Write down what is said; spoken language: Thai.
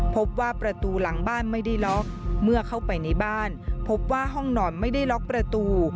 พบว่าประตูหลังบ้านไม่ได้ล็อกเมื่อเข้าไปในบ้านพบว่าห้องนอนไม่ได้ล็อกประตู